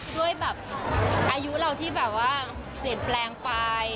ด้วยอายุเราที่เสนแปลงไป